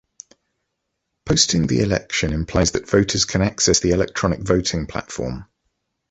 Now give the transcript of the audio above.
Posting the election implies that voters can access the electronic voting platform.